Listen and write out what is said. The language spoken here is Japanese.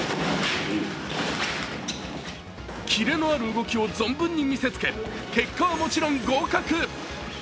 キレのある動きを存分に見せつけ結果はもちろん合格。